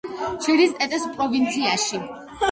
შედის ტეტეს პროვინციაში.